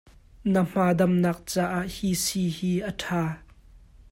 Na hma damnak caah hi si hi a ṭha.